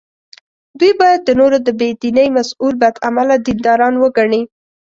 دوی باید د نورو د بې دینۍ مسوول بد عمله دینداران وګڼي.